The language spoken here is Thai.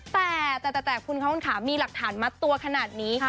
แต่แต่แต่แต่คุณค่ะคุณค่ะมีหลักฐานมาตัวขนาดนี้